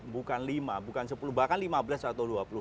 bukan lima bukan sepuluh bahkan lima belas atau dua puluh